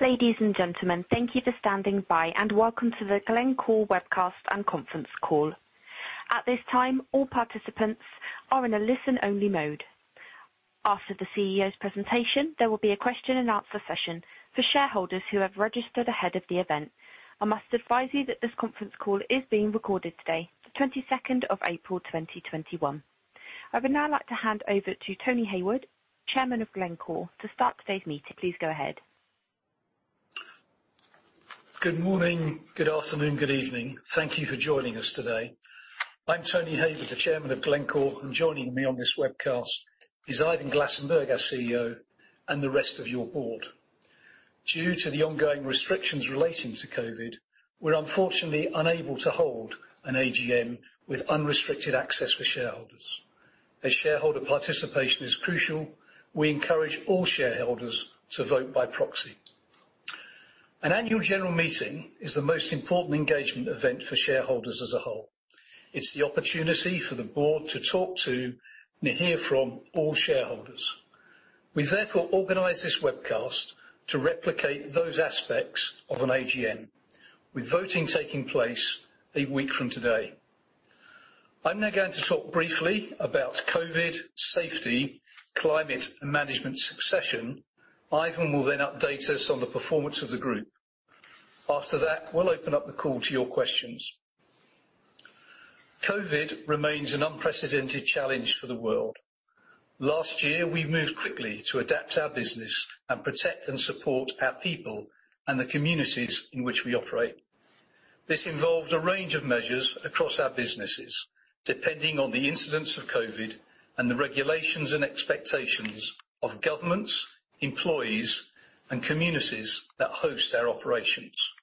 Ladies and gentlemen, thank you for standing by and welcome to the Glencore webcast and conference call. At this time, all participants are in a listen-only mode. After the CEO's presentation, there will be a question and answer session for shareholders who have registered ahead of the event. I must advise you that this conference call is being recorded today, the 22nd of April 2021. I would now like to hand over to Tony Hayward, Chairman of Glencore. To start today's meeting, please go ahead. Good morning. Good afternoon. Good evening. Thank you for joining us today. I'm Tony Hayward, the chairman of Glencore, and joining me on this webcast is Ivan Glasenberg, our CEO, and the rest of your board. Due to the ongoing restrictions relating to COVID, we're unfortunately unable to hold an AGM with unrestricted access for shareholders. As shareholder participation is crucial, we encourage all shareholders to vote by proxy. An annual general meeting is the most important engagement event for shareholders as a whole. It's the opportunity for the board to talk to and hear from all shareholders. We therefore organize this webcast to replicate those aspects of an AGM, with voting taking place a week from today. I'm now going to talk briefly about COVID, safety, climate, and management succession. Ivan will then update us on the performance of the group. After that, we'll open up the call to your questions. COVID remains an unprecedented challenge for the world. Last year, we moved quickly to adapt our business and protect and support our people and the communities in which we operate. This involved a range of measures across our businesses, depending on the incidence of COVID and the regulations and expectations of governments, employees, and communities that host our operations.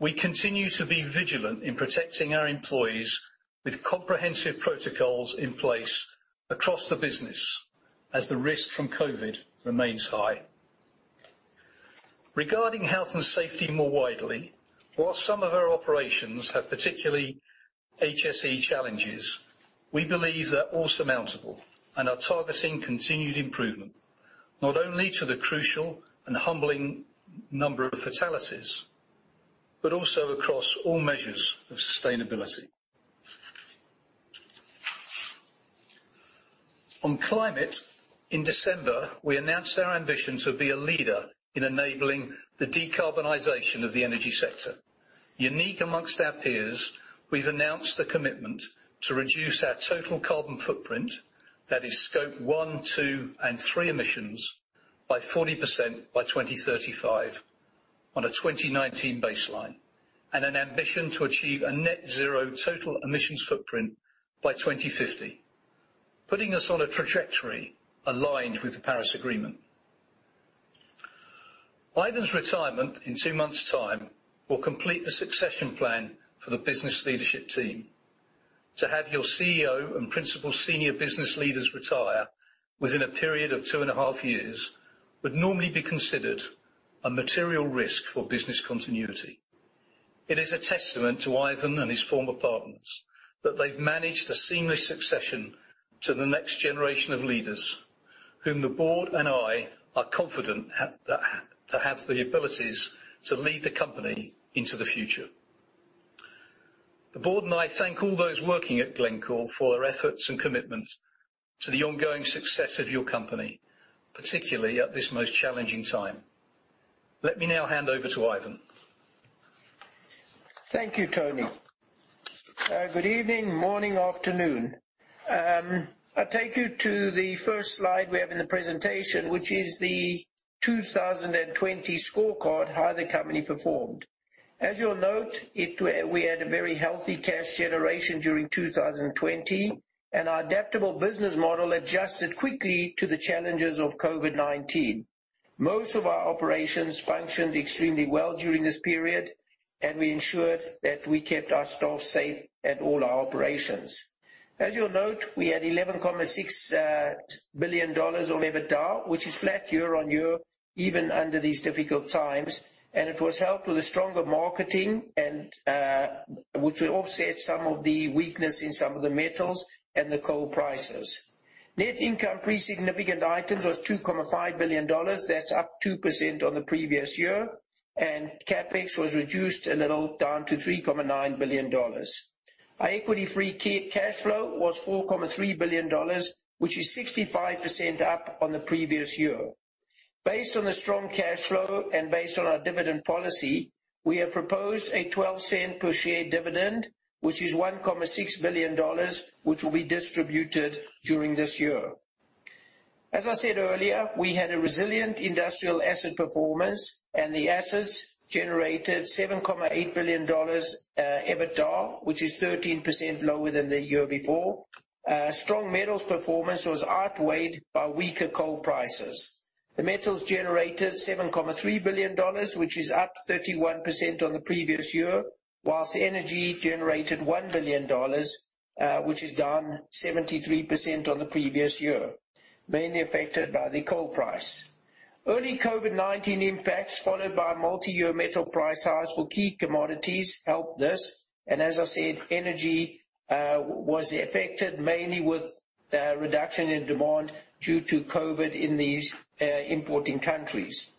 We continue to be vigilant in protecting our employees with comprehensive protocols in place across the business as the risk from COVID remains high. Regarding health and safety more widely, while some of our operations have particular HSE challenges, we believe they're all surmountable and are targeting continued improvement, not only to the crucial and humbling number of fatalities, but also across all measures of sustainability. On climate, in December, we announced our ambition to be a leader in enabling the decarbonization of the energy sector. Unique amongst our peers, we've announced the commitment to reduce our total carbon footprint, that is Scope 1, 2, and 3 emissions, by 40% by 2035 on a 2019 baseline, and an ambition to achieve a net zero total emissions footprint by 2050, putting us on a trajectory aligned with the Paris Agreement. Ivan's retirement in two months' time will complete the succession plan for the business leadership team. To have your CEO and principal senior business leaders retire within a period of two and a half years would normally be considered a material risk for business continuity. It is a testament to Ivan and his former partners that they've managed a seamless succession to the next generation of leaders, whom the board and I are confident to have the abilities to lead the company into the future. The board and I thank all those working at Glencore for their efforts and commitment to the ongoing success of your company, particularly at this most challenging time. Let me now hand over to Ivan. Thank you, Tony. Good evening, morning, afternoon. I'll take you to the first slide we have in the presentation, which is the 2020 scorecard, how the company performed. As you'll note, we had a very healthy cash generation during 2020, and our adaptable business model adjusted quickly to the challenges of COVID-19. Most of our operations functioned extremely well during this period, and we ensured that we kept our staff safe at all our operations. As you'll note, we had $11.6 billion of EBITDA, which is flat year-over-year, even under these difficult times, and it was helped with a stronger marketing, which will offset some of the weakness in some of the metals and the coal prices. Net income, pre-significant items, was $2.5 billion. That's up 2% on the previous year, and CapEx was reduced a little down to $3.9 billion. Our equity free cash flow was $4.3 billion, which is 65% up on the previous year. Based on the strong cash flow and based on our dividend policy, we have proposed a $0.12 per share dividend, which is $1.6 billion, which will be distributed during this year. As I said earlier, we had a resilient industrial asset performance and the assets generated $7.8 billion EBITDA, which is 13% lower than the year before. Strong metals performance was outweighed by weaker coal prices. The metals generated $7.3 billion, which is up 31% on the previous year, whilst energy generated $1 billion, which is down 73% on the previous year, mainly affected by the coal price. Early COVID-19 impacts followed by multi-year metal price highs for key commodities helped this and as I said, energy was affected mainly with the reduction in demand due to COVID-19 in these importing countries.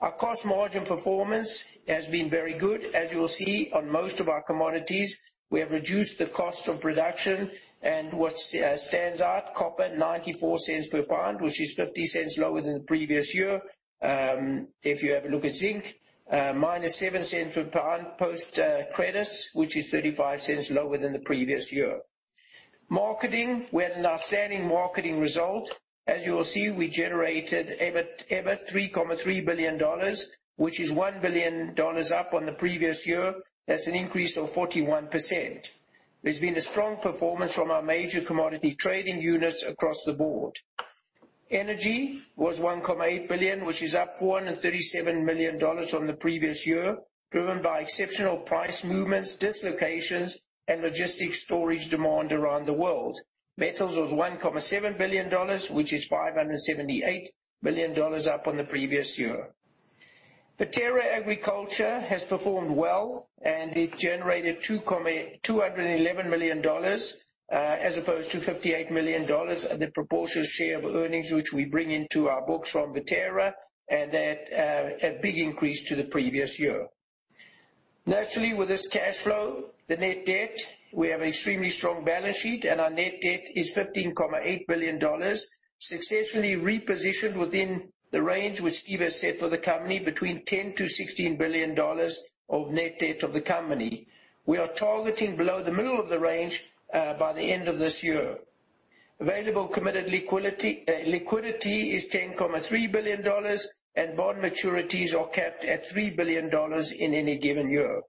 Our cost margin performance has been very good. As you will see on most of our commodities, we have reduced the cost of production and what stands out, copper, $0.94 per pound, which is $0.50 lower than the previous year. If you have a look at zinc, minus $0.07 per pound, post credits, which is $0.35 lower than the previous year. Marketing. We had an outstanding marketing result. As you will see, we generated EBIT, $3.3 billion, which is $1 billion up on the previous year. That's an increase of 41%. There's been a strong performance from our major commodity trading units across the board. Energy was $1.8 billion, which is up $137 million from the previous year, driven by exceptional price movements, dislocations, and logistics storage demand around the world. Metals was $1.7 billion, which is $578 million up on the previous year. Viterra Agriculture has performed well. It generated $211 million, as opposed to $58 million of the proportionate share of earnings, which we bring into our books from Viterra, and that a big increase to the previous year. Naturally, with this cash flow, we have an extremely strong balance sheet. Our net debt is $15.8 billion, successfully repositioned within the range which Steve has set for the company, between $10 billion-$16 billion of net debt of the company. We are targeting below the middle of the range by the end of this year. Available committed liquidity is $10.3 billion. Bond maturities are capped at $3 billion in any given year.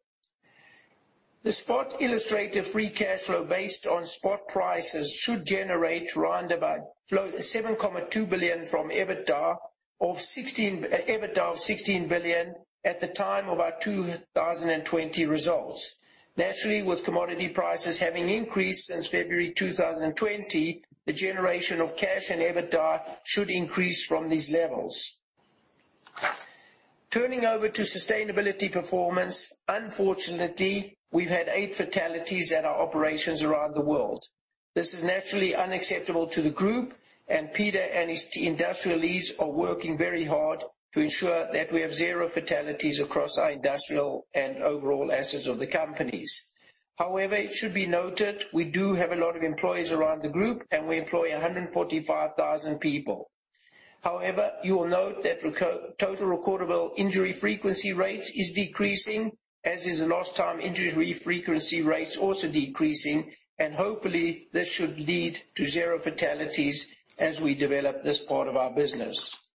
The spot illustrative free cash flow based on spot prices should generate round about $7.2 billion from EBITDA of $16 billion at the time of our 2020 results. Naturally, with commodity prices having increased since February 2020, the generation of cash and EBITDA should increase from these levels. Turning over to sustainability performance, unfortunately, we've had eight fatalities at our operations around the world. This is naturally unacceptable to the group, and Peter and his industrial leads are working very hard to ensure that we have zero fatalities across our industrial and overall assets of the companies. However, it should be noted, we do have a lot of employees around the group, and we employ 145,000 people. However, you will note that total recordable injury frequency rates is decreasing, as is lost time injury frequency rates also decreasing, and hopefully, this should lead to zero fatalities as we develop this part of our business.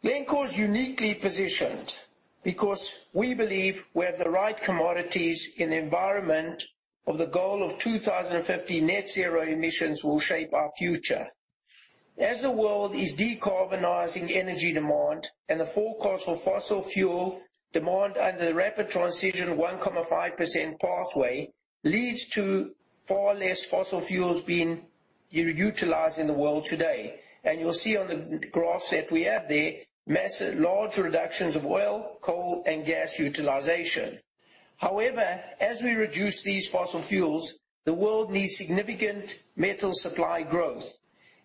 Glencore is uniquely positioned because we believe we have the right commodities in the environment of the goal of 2050 net zero emissions will shape our future. As the world is decarbonizing energy demand and the forecast for fossil fuel demand under the rapid transition 1.5% pathway leads to far less fossil fuels being utilized in the world today. You'll see on the graph set we have there, large reductions of oil, coal, and gas utilization. However, as we reduce these fossil fuels, the world needs significant metal supply growth.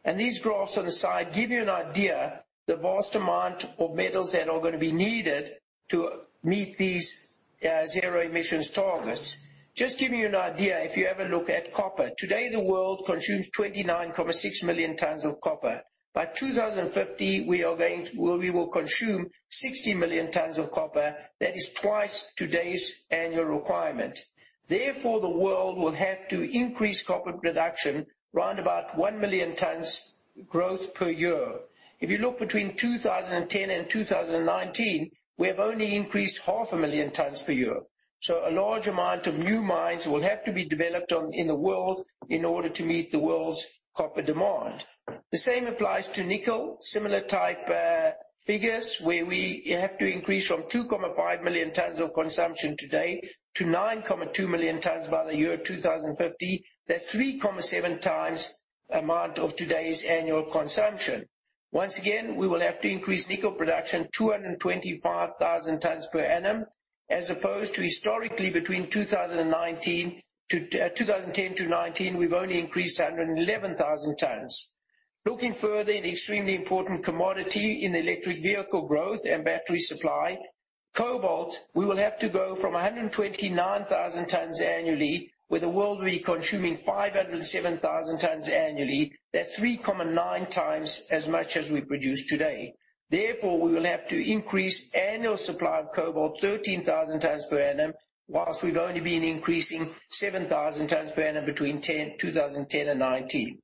These graphs on the side give you an idea the vast amount of metals that are going to be needed to meet these zero emissions targets. Just to give you an idea, if you have a look at copper. Today, the world consumes 29.6 million tons of copper. By 2050, we will consume 60 million tons of copper. That is twice today's annual requirement. The world will have to increase copper production round about 1 million tons growth per year. If you look between 2010 and 2019, we have only increased half a million tons per year. A large amount of new mines will have to be developed in the world in order to meet the world's copper demand. The same applies to nickel. Similar type figures where we have to increase from 2.5 million tons of consumption today to 9.2 million tons by the year 2050. That's 3.7 times amount of today's annual consumption. Once again, we will have to increase nickel production 225,000 tons per annum as opposed to historically between 2010 to 2019, we've only increased to 111,000 tons. Looking further at extremely important commodity in the electric vehicle growth and battery supply. Cobalt, we will have to go from 129,000 tons annually with the world really consuming 507,000 tons annually. That's 3.9 times as much as we produce today. Therefore, we will have to increase annual supply of cobalt 13,000 tons per annum, while we've only been increasing 7,000 tons per annum between 2010 and 2019.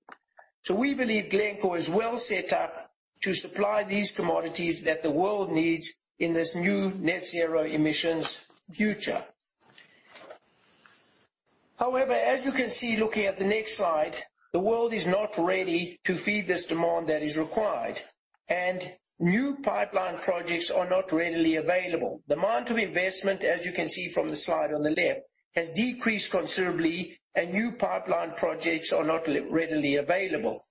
We believe Glencore is well set up to supply these commodities that the world needs in this new net zero emissions future. As you can see looking at the next slide, the world is not ready to feed this demand that is required, and new pipeline projects are not readily available. The amount of investment, as you can see from the slide on the left, has decreased considerably and new pipeline projects are not readily available.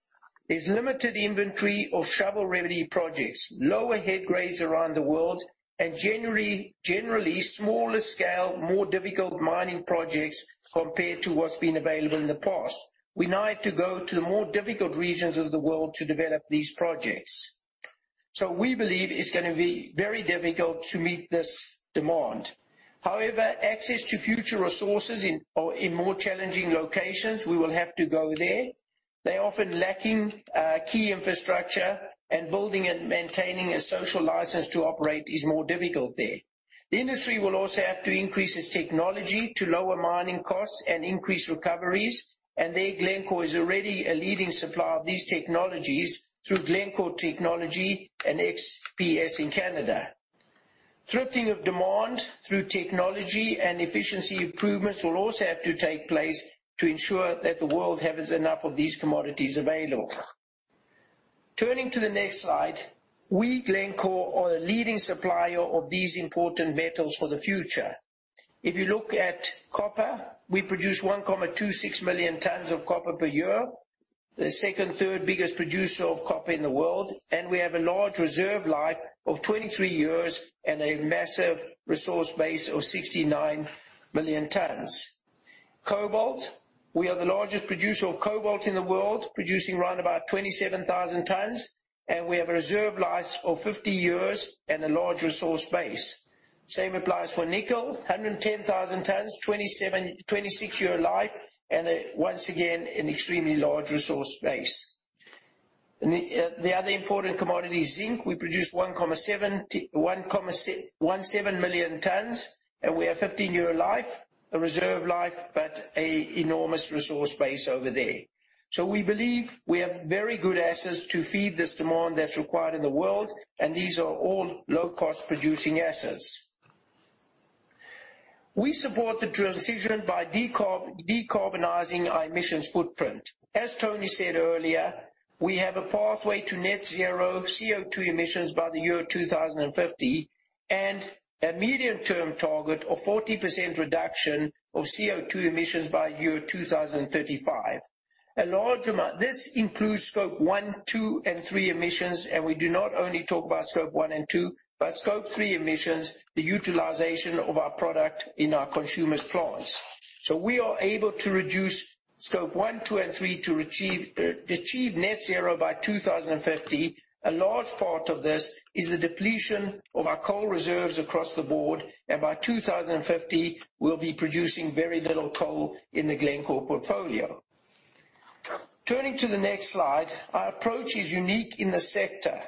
There's limited inventory of shovel-ready projects, lower head grades around the world, and generally smaller scale, more difficult mining projects compared to what's been available in the past. We now have to go to the more difficult regions of the world to develop these projects. We believe it's going to be very difficult to meet this demand. However, access to future resources in more challenging locations, we will have to go there. They're often lacking key infrastructure and building and maintaining a social license to operate is more difficult there. The industry will also have to increase its technology to lower mining costs and increase recoveries, and there Glencore is already a leading supplier of these technologies through Glencore Technology and XPS in Canada. Thrifting of demand through technology and efficiency improvements will also have to take place to ensure that the world has enough of these commodities available. Turning to the next slide. We, Glencore, are a leading supplier of these important metals for the future. If you look at copper, we produce 1.26 million tons of copper per year. The second/third biggest producer of copper in the world, and we have a large reserve life of 23 years and a massive resource base of 69 million tons. Cobalt, we are the largest producer of cobalt in the world, producing around about 27,000 tons, and we have a reserve life of 50 years and a large resource base. Same applies for nickel, 110,000 tons, 26-year life, and once again, an extremely large resource base. The other important commodity is zinc. We produce 1.7 million tons, and we have 15-year life, a reserve life, but a enormous resource base over there. We believe we have very good assets to feed this demand that's required in the world, and these are all low-cost producing assets. We support the transition by decarbonizing our emissions footprint. As Tony said earlier, we have a pathway to net zero CO2 emissions by the year 2050 and a medium-term target of 40% reduction of CO2 emissions by year 2035. This includes Scope 1, 2, and 3 emissions, and we do not only talk about Scope 1 and 2, but Scope 3 emissions, the utilization of our product in our consumers' plants. We are able to reduce Scope 1, 2, and 3 to achieve net zero by 2050. A large part of this is the depletion of our coal reserves across the board. By 2050, we'll be producing very little coal in the Glencore portfolio. Turning to the next slide. Our approach is unique in the sector,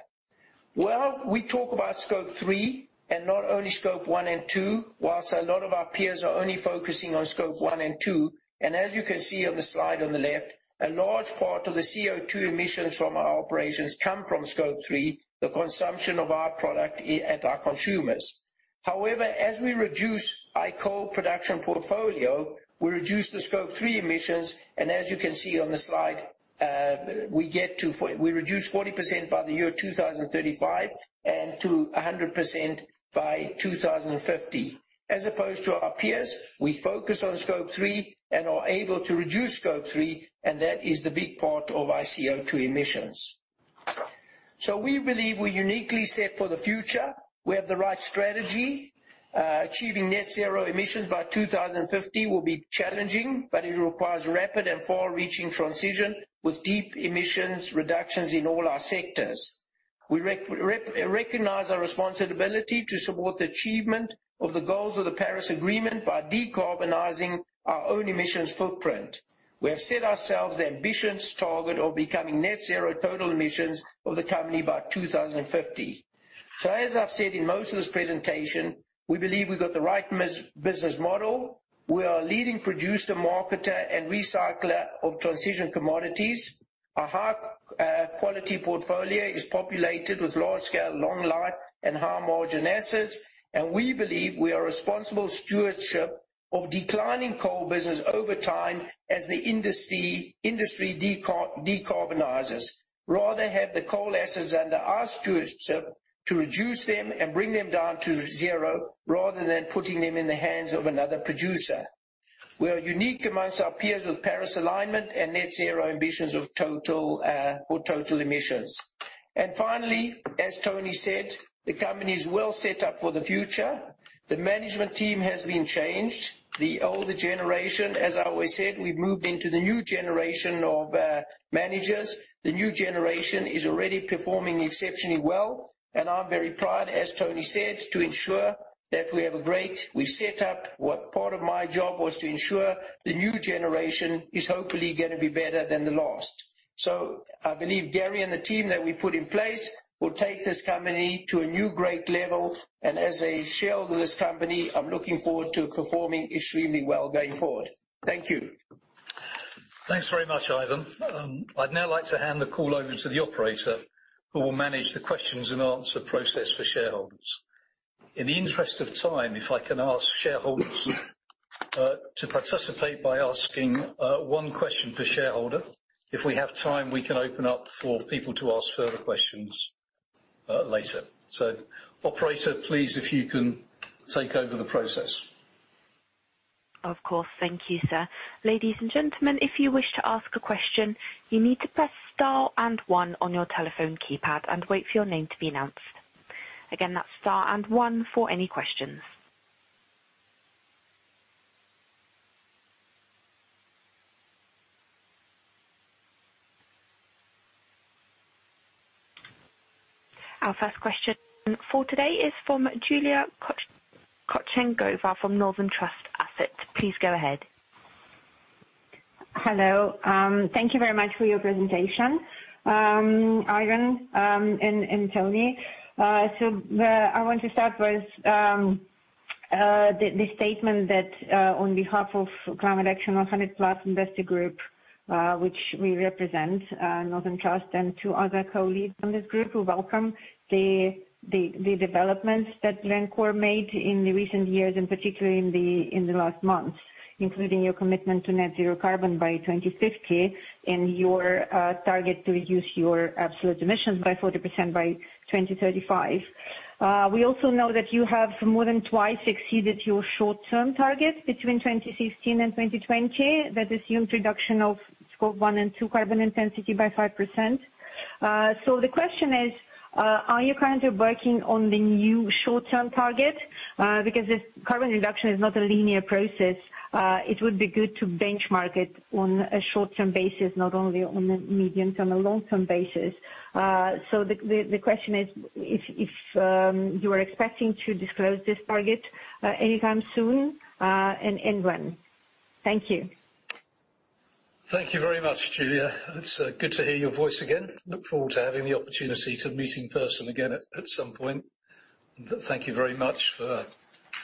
where we talk about Scope 3 and not only Scope 1 and 2, whilst a lot of our peers are only focusing on Scope 1 and 2. As you can see on the slide on the left, a large part of the CO2 emissions from our operations come from Scope 3, the consumption of our product at our consumers. However, as we reduce our coal production portfolio, we reduce the Scope 3 emissions, and as you can see on the slide, we reduce 40% by the year 2035 and to 100% by 2050. As opposed to our peers, we focus on Scope 3 and are able to reduce Scope 3, and that is the big part of our CO2 emissions. We believe we're uniquely set for the future. We have the right strategy. Achieving net zero emissions by 2050 will be challenging, but it requires rapid and far-reaching transition with deep emissions reductions in all our sectors. We recognize our responsibility to support the achievement of the goals of the Paris Agreement by decarbonizing our own emissions footprint. We have set ourselves the ambitious target of becoming net zero total emissions of the company by 2050. As I've said in most of this presentation, we believe we've got the right business model. We are a leading producer, marketer, and recycler of transition commodities. Our high-quality portfolio is populated with large-scale, long life, and high-margin assets, and we believe we are responsible stewardship of declining coal business over time as the industry decarbonizes. Rather have the coal assets under our stewardship to reduce them and bring them down to zero rather than putting them in the hands of another producer. We are unique amongst our peers with Paris alignment and net zero ambitions for total emissions. Finally, as Tony said, the company is well set up for the future. The management team has been changed. The older generation, as I always said, we've moved into the new generation of managers. The new generation is already performing exceptionally well, and I'm very proud, as Tony said, to ensure that we've set up what part of my job was to ensure the new generation is hopefully going to be better than the last. I believe Gary and the team that we put in place will take this company to a new great level. As a shareholder of this company, I'm looking forward to performing extremely well going forward. Thank you. Thanks very much, Ivan. I'd now like to hand the call over to the operator who will manage the questions and answer process for shareholders. In the interest of time, if I can ask shareholders to participate by asking one question per shareholder. If we have time, we can open up for people to ask further questions later. Operator, please, if you can take over the process. Of course. Thank you, sir. Ladies and gentlemen, if you wish to ask a question, you need to press star and one on your telephone keypad and wait for your name to be announced. Again, that's star and one for any questions. Our first question for today is from Julia Kochetygova from Northern Trust Asset. Please go ahead. Hello. Thank you very much for your presentation, Ivan and Tony. I want to start with the statement that on behalf of Climate Action 100+ investor group which we represent, Northern Trust and two other co-leads on this group, who welcome the developments that Glencore made in the recent years, and particularly in the last months, including your commitment to net zero carbon by 2050 and your target to reduce your absolute emissions by 40% by 2035. We also know that you have more than twice exceeded your short-term target between 2016 and 2020. That is the introduction of Scope 1 and 2 carbon intensity by 5%. The question is, are you currently working on the new short-term target? Because this carbon reduction is not a linear process, it would be good to benchmark it on a short-term basis, not only on a medium and a long-term basis. The question is if you are expecting to disclose this target anytime soon, and when. Thank you. Thank you very much, Julia. It's good to hear your voice again. Look forward to having the opportunity to meeting in person again at some point. Thank you very much for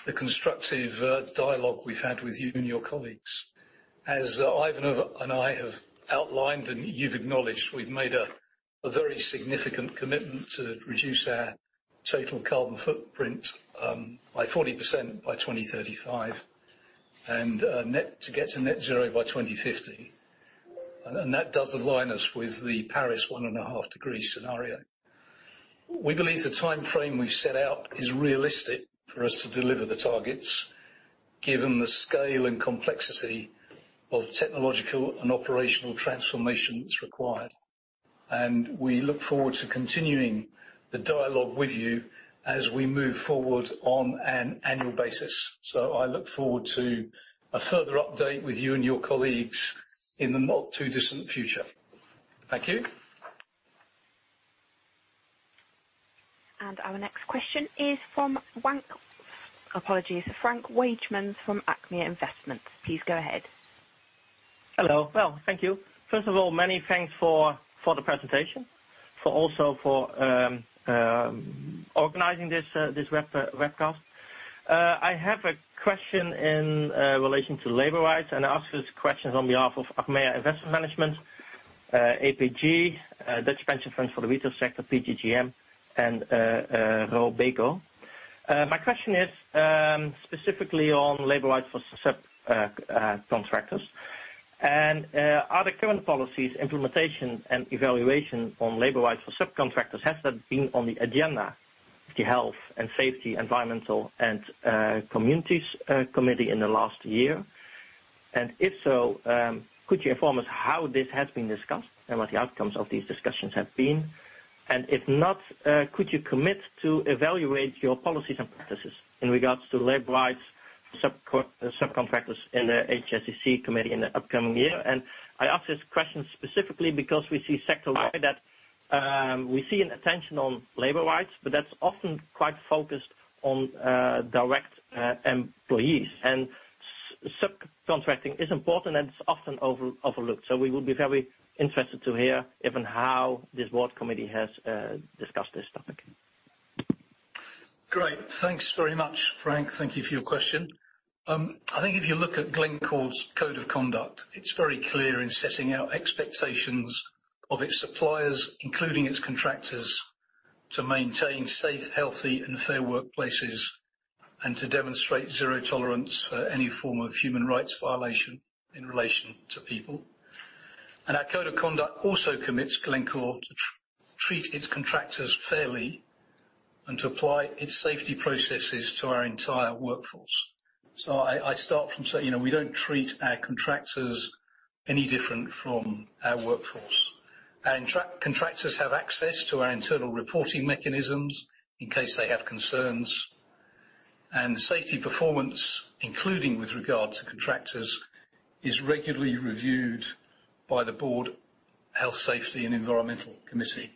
the constructive dialogue we've had with you and your colleagues. As Ivan and I have outlined, and you've acknowledged, we've made a very significant commitment to reduce our total carbon footprint by 40% by 2035 and to get to net zero by 2050. That does align us with the Paris one and a half degree scenario. We believe the timeframe we've set out is realistic for us to deliver the targets given the scale and complexity of technological and operational transformation that's required. We look forward to continuing the dialogue with you as we move forward on an annual basis. I look forward to a further update with you and your colleagues in the not too distant future. Thank you. Our next question is from Apologies, Frank Wagemans from Achmea Investment Management. Please go ahead. Hello. Well, thank you. First of all, many thanks for the presentation. Also for organizing this webcast. I have a question in relation to labor rights, and I ask this question on behalf of Achmea Investment Management, APG, Dutch Pension Plans for the Retail Sector, PGGM, and Robeco. My question is specifically on labor rights for subcontractors and are the current policies, implementation, and evaluation on labor rights for subcontractors, has that been on the agenda, the Health and Safety, Environmental and Communities Committee in the last year? If so, could you inform us how this has been discussed and what the outcomes of these discussions have been? If not, could you commit to evaluate your policies and practices in regards to labor rights subcontractors in the HSEC Committee in the upcoming year? I ask this question specifically because we see sector wide that we see an attention on labor rights, but that's often quite focused on direct employees and subcontracting is important and it's often overlooked. We would be very interested to hear if and how this board committee has discussed this topic. Great. Thanks very much, Frank. Thank you for your question. I think if you look at Glencore's code of conduct, it is very clear in setting out expectations of its suppliers, including its contractors, to maintain safe, healthy, and fair workplaces and to demonstrate zero tolerance for any form of human rights violation in relation to people. Our code of conduct also commits Glencore to treat its contractors fairly and to apply its safety processes to our entire workforce. I start from, we don't treat our contractors any different from our workforce. Our contractors have access to our internal reporting mechanisms in case they have concerns. Safety performance, including with regard to contractors, is regularly reviewed by the Board Health, Safety, and Environmental Committee.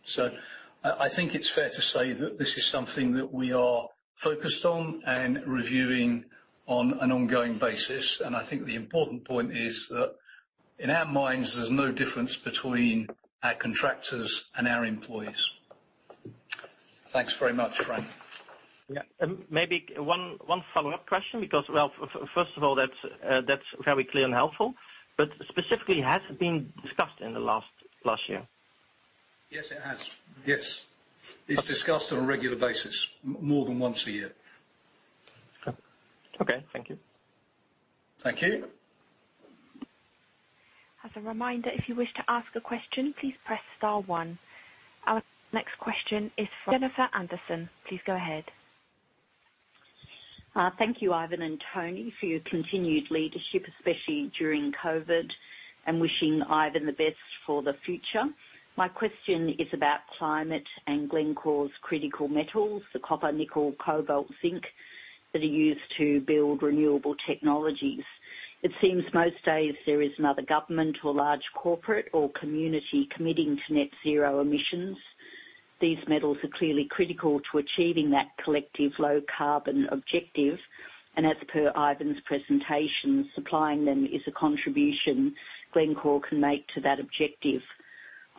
I think it's fair to say that this is something that we are focused on and reviewing on an ongoing basis. I think the important point is that in our minds, there's no difference between our contractors and our employees. Thanks very much, Frank. Yeah. Maybe one follow-up question because, well, first of all, that's very clear and helpful. Specifically, has it been discussed in the last year? Yes, it has. Yes. It's discussed on a regular basis more than once a year. Okay. Thank you. Thank you. As a reminder, if you wish to ask a question, please press star one. Our next question is from Jennifer Anderson. Please go ahead. Thank you, Ivan and Tony, for your continued leadership, especially during COVID, and wishing Ivan the best for the future. My question is about climate and Glencore's critical metals, the copper, nickel, cobalt, zinc that are used to build renewable technologies. It seems most days there is another government or large corporate or community committing to net zero emissions. These metals are clearly critical to achieving that collective low carbon objective, and as per Ivan's presentation, supplying them is a contribution Glencore can make to that objective.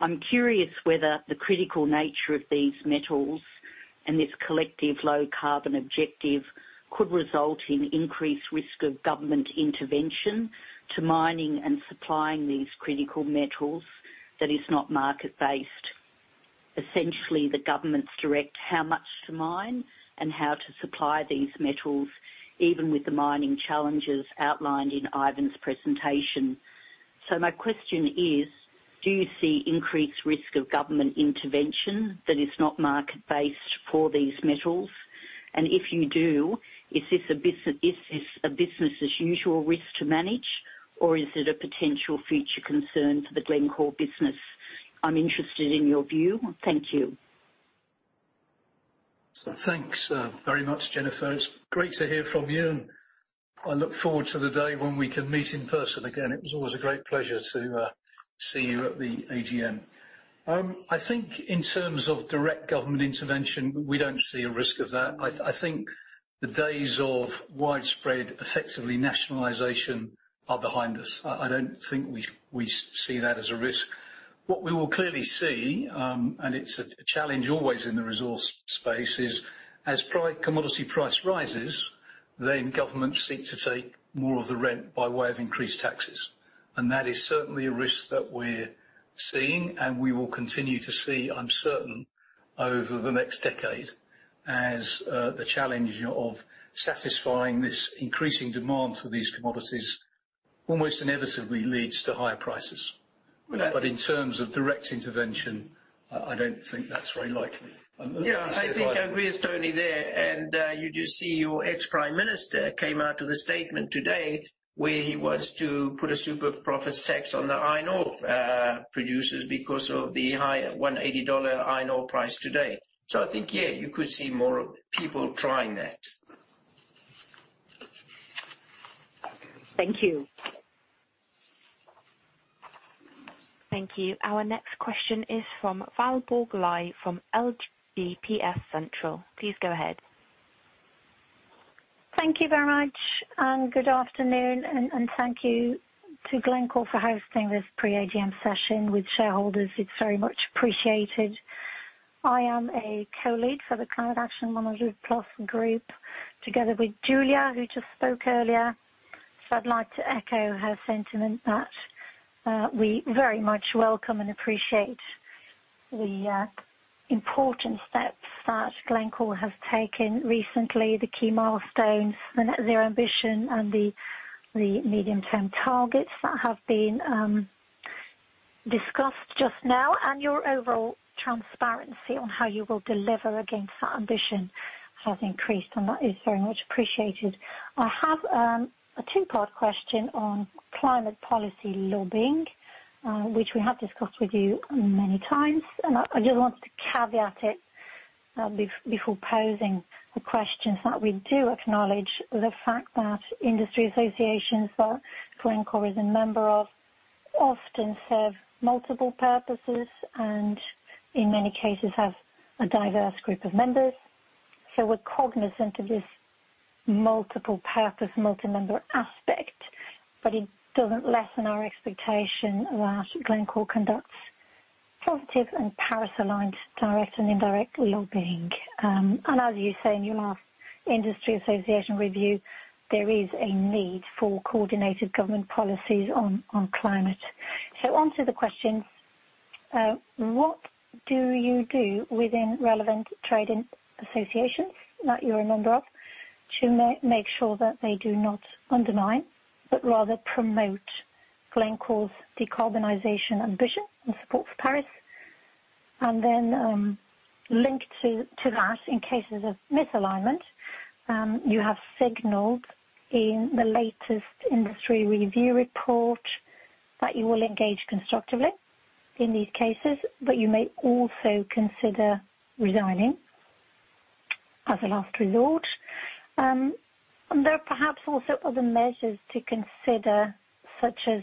I'm curious whether the critical nature of these metals and this collective low carbon objective could result in increased risk of government intervention to mining and supplying these critical metals that is not market-based. Essentially, the governments direct how much to mine and how to supply these metals, even with the mining challenges outlined in Ivan's presentation. My question is, do you see increased risk of government intervention that is not market-based for these metals? If you do, is this a business as usual risk to manage, or is it a potential future concern for the Glencore business? I'm interested in your view. Thank you. Thanks very much, Jennifer. It's great to hear from you, and I look forward to the day when we can meet in person again. It was always a great pleasure to see you at the AGM. I think in terms of direct government intervention, we don't see a risk of that. I think the days of widespread, effectively nationalization are behind us. I don't think we see that as a risk. What we will clearly see, and it's a challenge always in the resource space, is as commodity price rises, then governments seek to take more of the rent by way of increased taxes. That is certainly a risk that we're seeing and we will continue to see, I'm certain, over the next decade as the challenge of satisfying this increasing demand for these commodities almost inevitably leads to higher prices. In terms of direct intervention, I don't think that's very likely. Yeah, I think I agree with Tony there. You just see your ex-prime minister came out with a statement today where he wants to put a super profits tax on the iron ore producers because of the high $180 iron ore price today. I think, yeah, you could see more of people trying that. Thank you. Thank you. Our next question is from Valborg Lie from LGPS Central. Please go ahead. Thank you very much, and good afternoon, and thank you to Glencore for hosting this pre-AGM session with shareholders. It's very much appreciated. I am a co-lead for the Climate Action 100+ group, together with Julia, who just spoke earlier. I'd like to echo her sentiment that we very much welcome and appreciate the important steps that Glencore has taken recently, the key milestones, the net zero ambition and the medium-term targets that have been discussed just now, and your overall transparency on how you will deliver against that ambition has increased, and that is very much appreciated. I have a two-part question on climate policy lobbying, which we have discussed with you many times, and I just wanted to caveat it before posing the questions that we do acknowledge the fact that industry associations that Glencore is a member of often serve multiple purposes and in many cases have a diverse group of members. We're cognizant of this multiple purpose, multi-member aspect, but it doesn't lessen our expectation that Glencore conducts positive and Paris-aligned direct and indirect lobbying. As you say in your last industry association review, there is a need for coordinated government policies on climate. On to the question. What do you do within relevant trade associations that you're a member of to make sure that they do not undermine, but rather promote Glencore's decarbonization ambition and support for Paris? Then, linked to that, in cases of misalignment, you have signaled in the latest industry review report that you will engage constructively in these cases, but you may also consider resigning as a last resort. There are perhaps also other measures to consider, such as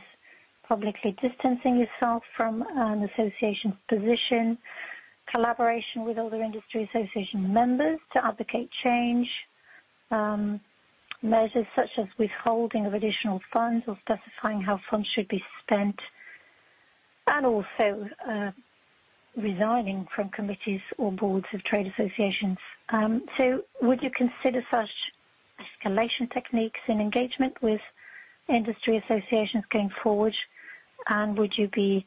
publicly distancing yourself from an association's position, collaboration with other industry association members to advocate change, measures such as withholding of additional funds or specifying how funds should be spent, and also resigning from committees or boards of trade associations. Would you consider such escalation techniques in engagement with industry associations going forward? Would you be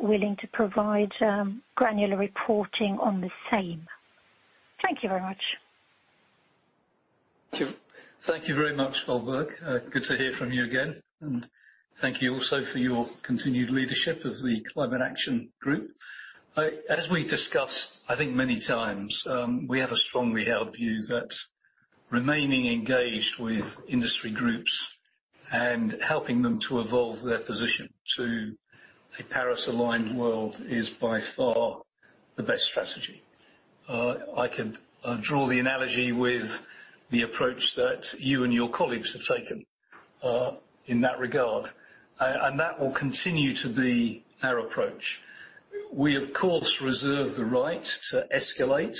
willing to provide granular reporting on the same? Thank you very much. Thank you very much, Valborg. Good to hear from you again, and thank you also for your continued leadership of the Climate Action Group. As we discussed, I think many times, we have a strongly held view that remaining engaged with industry groups and helping them to evolve their position to a Paris-aligned world is by far the best strategy. I can draw the analogy with the approach that you and your colleagues have taken in that regard, and that will continue to be our approach. We, of course, reserve the right to escalate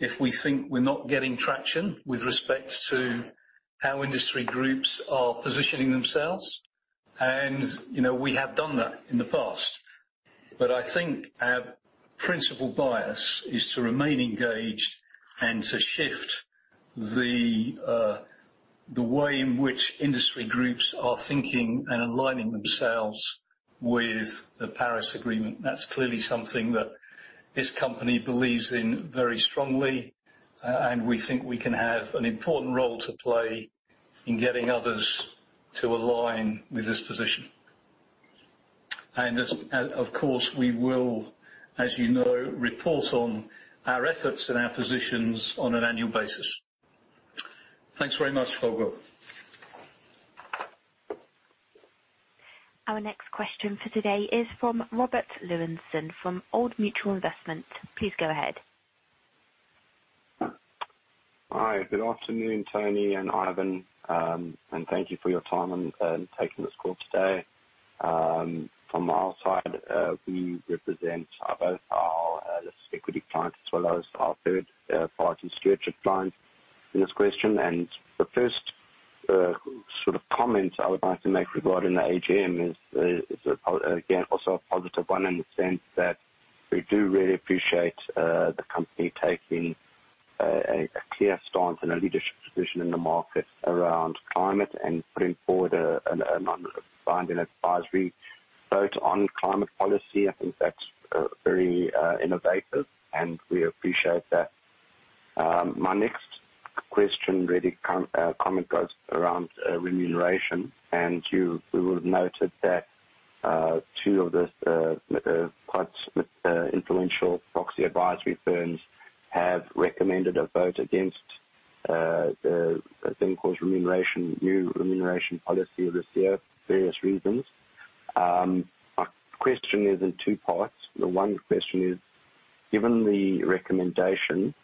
if we think we're not getting traction with respect to how industry groups are positioning themselves. We have done that in the past. I think our principal bias is to remain engaged and to shift the way in which industry groups are thinking and aligning themselves with the Paris Agreement. That's clearly something that this company believes in very strongly, and we think we can have an important role to play in getting others to align with this position. Of course, we will, as you know, report on our efforts and our positions on an annual basis. Thanks very much, Valborg. Our next question for today is from Robert Lewenson from Old Mutual Investment. Please go ahead. Hi. Good afternoon, Tony and Ivan, and thank you for your time and taking this call today. From our side, we represent both our listed equity clients as well as our third-party stewardship clients in this question. The first sort of comment I would like to make regarding the AGM is, again, also a positive one in the sense that we do really appreciate the company taking a clear stance and a leadership position in the market around climate and putting forward a binding advisory vote on climate policy. I think that's very innovative, and we appreciate that. My next question, really comment, goes around remuneration, and you will have noted that two of the quite influential proxy advisory firms have recommended a vote against the thing called new remuneration policy of this year, for various reasons. My question is in two parts. The one question is, given the recommendation,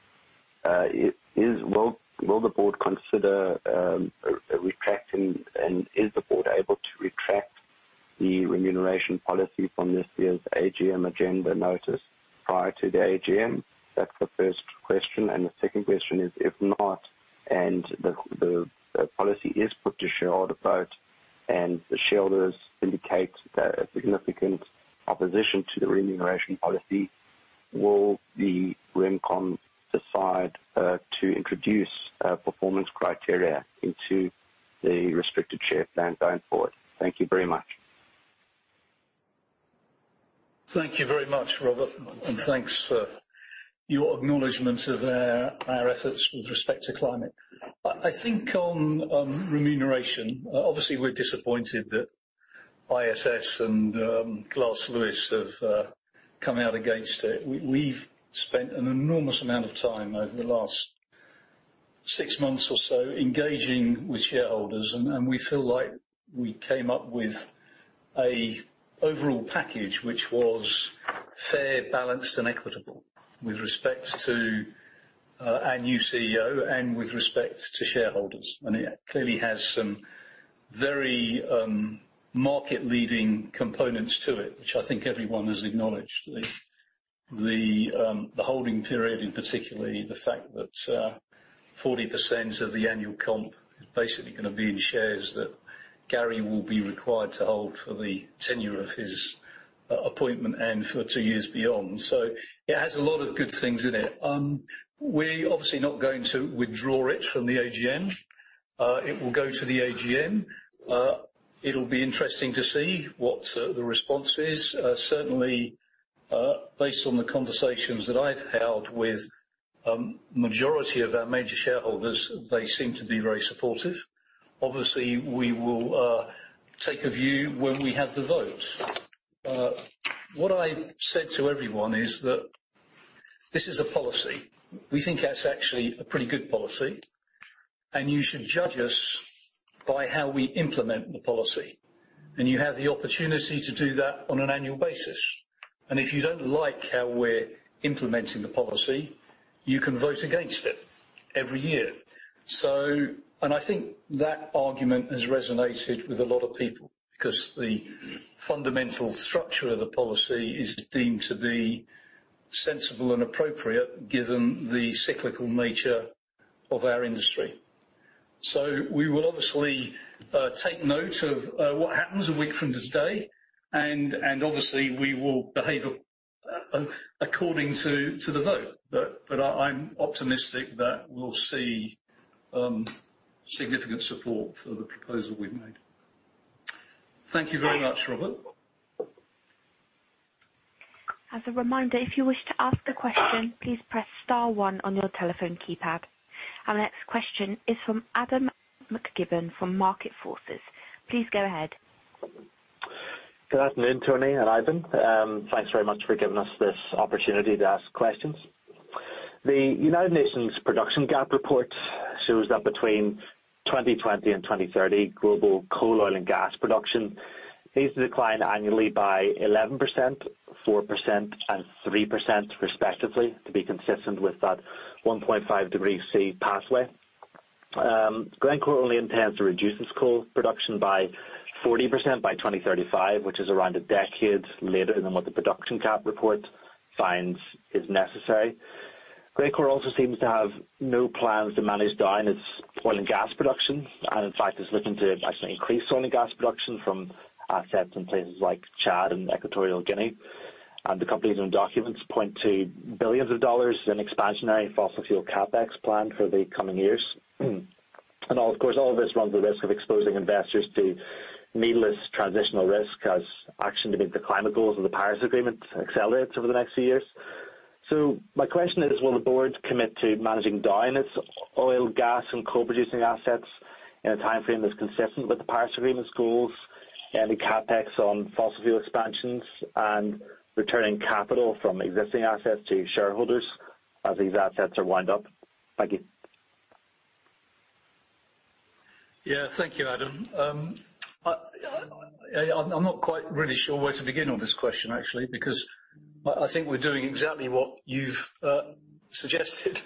will the board consider retracting, and is the board able to retract the remuneration policy from this year's AGM agenda notice prior to the AGM? That's the first question. The second question is, if not, and the policy is put to shareholder vote, and the shareholders indicate a significant opposition to the remuneration policy, will the RemCom decide to introduce performance criteria into the restricted share plan going forward? Thank you very much. Thank you very much, Robert, and thanks for your acknowledgment of our efforts with respect to climate. I think on remuneration, obviously, we're disappointed that ISS and Glass Lewis have come out against it. We've spent an enormous amount of time over the last six months or so engaging with shareholders, and we feel like we came up with an overall package which was fair, balanced, and equitable with respect to our new CEO and with respect to shareholders. It clearly has some very market-leading components to it, which I think everyone has acknowledged. The holding period, and particularly the fact that 40% of the annual comp is basically going to be in shares that Gary will be required to hold for the tenure of his appointment and for two years beyond. So it has a lot of good things in it. We're obviously not going to withdraw it from the AGM. It will go to the AGM. It'll be interesting to see what the response is. Certainly, based on the conversations that I've held with majority of our major shareholders, they seem to be very supportive. Obviously, we will take a view when we have the vote. What I said to everyone is that this is a policy. We think it's actually a pretty good policy. You should judge us by how we implement the policy. You have the opportunity to do that on an annual basis. If you don't like how we're implementing the policy, you can vote against it every year. I think that argument has resonated with a lot of people because the fundamental structure of the policy is deemed to be sensible and appropriate given the cyclical nature of our industry. We will obviously take note of what happens a week from today, and obviously, we will behave according to the vote. I'm optimistic that we'll see significant support for the proposal we've made. Thank you very much, Robert. As a reminder, if you wish to ask a question, please press star one on your telephone keypad. Our next question is from Adam McGibbon from Market Forces. Please go ahead. Good afternoon, Tony and Ivan. Thanks very much for giving us this opportunity to ask questions. The United Nations Production Gap Report shows that between 2020 and 2030, global coal, oil, and gas production is to decline annually by 11%, 4%, and 3% respectively, to be consistent with that 1.5 degree C pathway. Glencore only intends to reduce its coal production by 40% by 2035, which is around a decade later than what the Production Gap Report finds is necessary. Glencore also seems to have no plans to manage down its oil and gas production, in fact is looking to actually increase oil and gas production from assets in places like Chad and Equatorial Guinea. The company's own documents point to billions of dollars in expansionary fossil fuel CapEx planned for the coming years. Of course, all of this runs the risk of exposing investors to needless transitional risk as action to meet the climate goals of the Paris Agreement accelerates over the next few years. My question is, will the boards commit to managing down its oil, gas, and coal-producing assets in a timeframe that's consistent with the Paris Agreement's goals and the CapEx on fossil fuel expansions and returning capital from existing assets to shareholders as these assets are wound up? Thank you. Yeah. Thank you, Adam. I'm not quite really sure where to begin on this question actually, because I think we're doing exactly what you've suggested.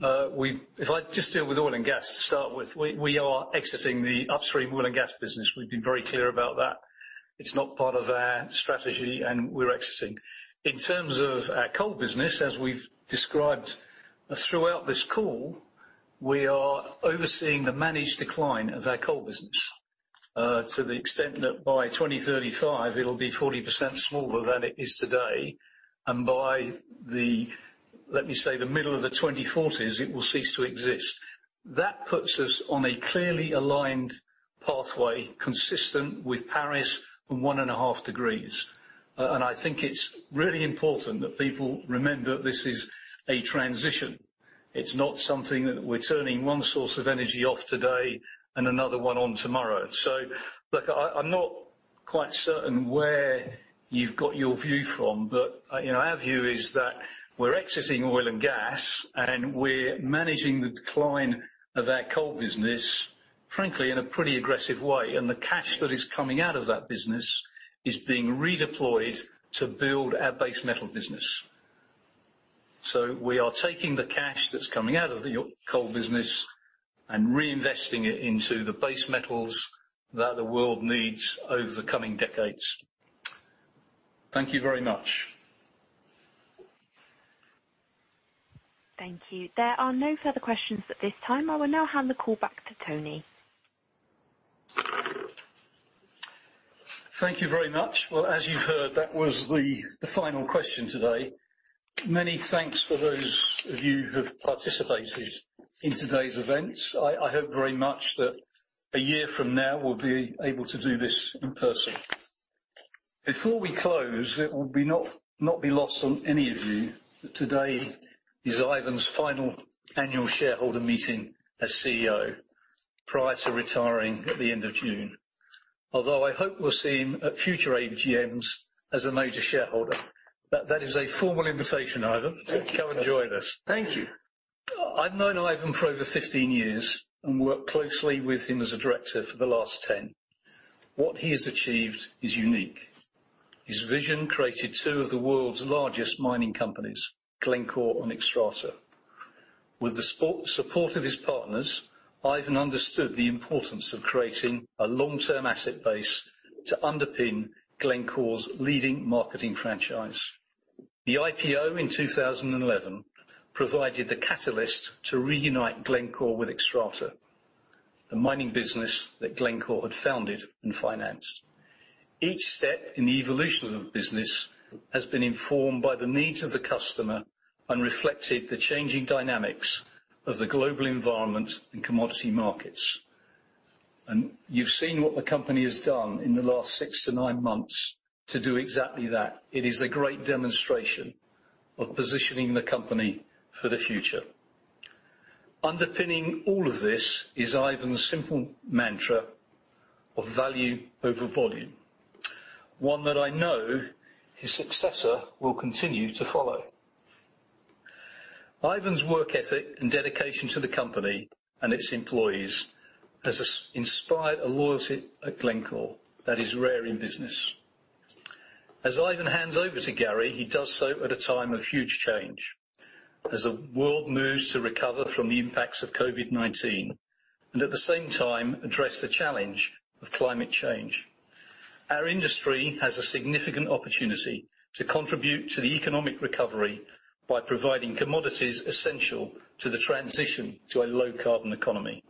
If I just deal with oil and gas to start with, we are exiting the upstream oil and gas business. We've been very clear about that. It's not part of our strategy, and we're exiting. In terms of our coal business, as we've described throughout this call, we are overseeing the managed decline of our coal business to the extent that by 2035 it'll be 40% smaller than it is today. By the, let me say, the middle of the 2040s, it will cease to exist. That puts us on a clearly aligned pathway consistent with Paris Agreement and one and a half degrees. I think it's really important that people remember this is a transition. It's not something that we're turning one source of energy off today and another one on tomorrow. Look, I'm not quite certain where you've got your view from, but our view is that we're exiting oil and gas, and we're managing the decline of our coal business, frankly, in a pretty aggressive way. The cash that is coming out of that business is being redeployed to build our base metal business. We are taking the cash that's coming out of the coal business and reinvesting it into the base metals that the world needs over the coming decades. Thank you very much. Thank you. There are no further questions at this time. I will now hand the call back to Tony. Thank you very much. As you've heard, that was the final question today. Many thanks for those of you who have participated in today's events. I hope very much that a year from now we'll be able to do this in person. Before we close, it will not be lost on any of you that today is Ivan's final annual shareholder meeting as CEO prior to retiring at the end of June. I hope we'll see him at future AGMs as a major shareholder. That is a formal invitation, Ivan. Thank you. Come and join us. Thank you. I've known Ivan for over 15 years and worked closely with him as a director for the last 10. What he has achieved is unique. His vision created two of the world's largest mining companies, Glencore and Xstrata. With the support of his partners, Ivan understood the importance of creating a long-term asset base to underpin Glencore's leading marketing franchise. The IPO in 2011 provided the catalyst to reunite Glencore with Xstrata, the mining business that Glencore had founded and financed. Each step in the evolution of the business has been informed by the needs of the customer and reflected the changing dynamics of the global environment and commodity markets. You've seen what the company has done in the last six to nine months to do exactly that. It is a great demonstration of positioning the company for the future. Underpinning all of this is Ivan's simple mantra of value over volume. One that I know his successor will continue to follow. Ivan's work ethic and dedication to the company and its employees has inspired a loyalty at Glencore that is rare in business. As Ivan hands over to Gary, he does so at a time of huge change as the world moves to recover from the impacts of COVID-19 and at the same time address the challenge of climate change. Our industry has a significant opportunity to contribute to the economic recovery by providing commodities essential to the transition to a low carbon economy.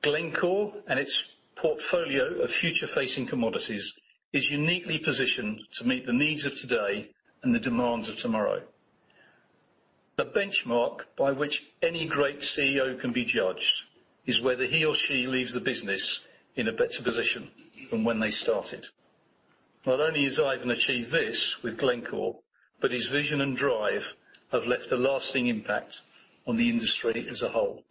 Glencore and its portfolio of future facing commodities is uniquely positioned to meet the needs of today and the demands of tomorrow. The benchmark by which any great CEO can be judged is whether he or she leaves the business in a better position than when they started. Not only has Ivan achieved this with Glencore, but his vision and drive have left a lasting impact on the industry as a whole.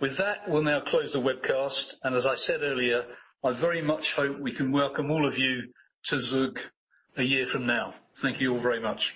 With that, we'll now close the webcast. As I said earlier, I very much hope we can welcome all of you to Zug a year from now. Thank you all very much.